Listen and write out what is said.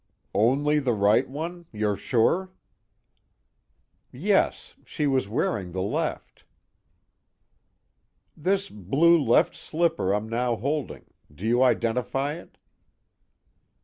"Only the right one, you're sure?" "Yes, she was wearing the left." "This blue left slipper I'm now holding. Do you identify it?"